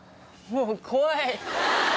もう怖い。